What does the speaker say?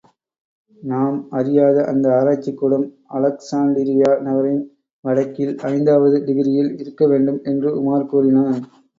நாம் அறியாத அந்த ஆராய்ச்சிக் கூடம் அலெக்சாண்டிரியா நகரின் வடக்கில் ஐந்தாவது டிகிரியில் இருக்கவேண்டும் என்று உமார் கூறினான்.